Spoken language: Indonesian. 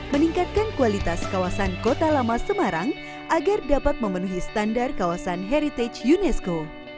meningkatkan kualitas kawasan kota lama semarang agar dapat memenuhi standar kawasan heritage unesco